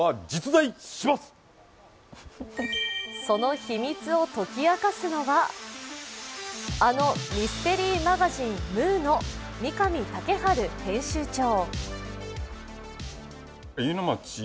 その秘密を解き明かすのはあのミステリーマガジン「ムー」の三上丈晴編集長。